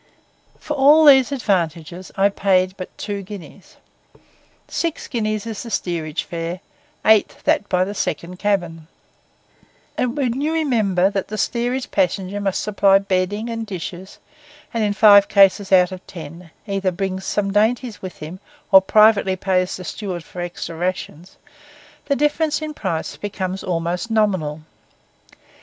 For all these advantages I paid but two guineas. Six guineas is the steerage fare; eight that by the second cabin; and when you remember that the steerage passenger must supply bedding and dishes, and, in five cases out of ten, either brings some dainties with him, or privately pays the steward for extra rations, the difference in price becomes almost nominal.